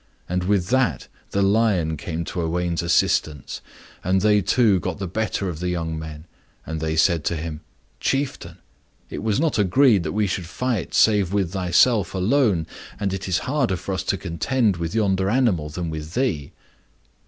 And with that, the lion came to Owain's assistance, and they two got the better of the young men And they said to him, "Chieftain, it was not agreed that we should fight save with thyself alone, and it is harder for us to contend with yonder animal than with thee."